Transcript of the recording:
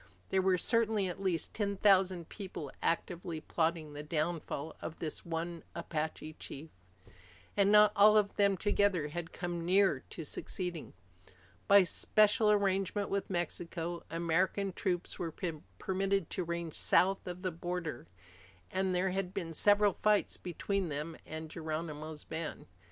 There were certainly at least ten thousand people actively plotting the downfall of this one Apache chief. And not all of them together had come near to succeeding. By special arrangement with Mexico, American troops were permitted to range south of the border, and there had been several fights between them and Geronimo's band.